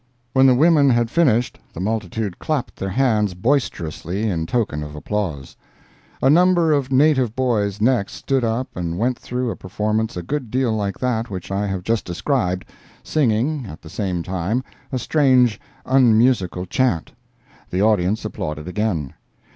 When the women had finished the multitude clapped their hands boisterously in token of applause. A number of native boys next stood up and went through a performance a good deal like that which I have just described, singing, at the same time, a strange, unmusical chant. The audience applauded again.